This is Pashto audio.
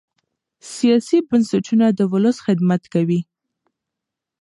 سیاسي بنسټونه د ولس خدمت کوي